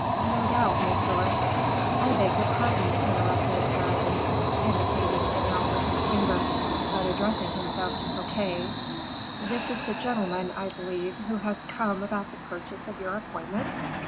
"No doubt, monsieur." "I beg your pardon," interrupted Aramis, indicating Vanel with his finger, but addressing himself to Fouquet; "this is the gentleman, I believe, who has come about the purchase of your appointment?"